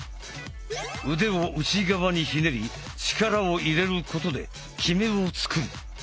腕を内側にひねり力を入れることで極めをつくる。